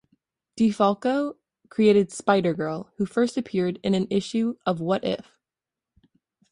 DeFalco created Spider-Girl, who first appeared in an issue of What If?